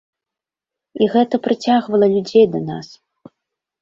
І гэта прыцягвала людзей да нас.